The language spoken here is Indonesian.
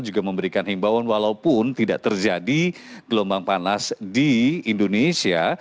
juga memberikan imbauan walaupun tidak terjadi gelombang panas di indonesia